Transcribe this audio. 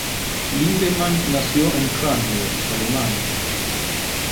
Lindemann nació en Hanóver, Alemania.